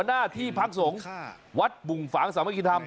หัวหน้าที่พักศงศ์ค่ะวัดบุงฝางสามัคคิดธรรม